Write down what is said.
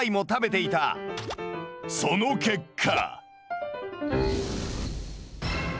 その結果。